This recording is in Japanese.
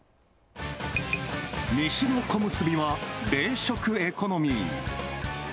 西の小結は冷食エコノミー。